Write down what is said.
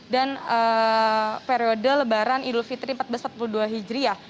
dan periode lebaran idul fitri seribu empat ratus empat puluh dua hijri ya